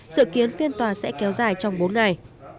sự kiến phiên tòa sẽ kéo dài trong bốn ngày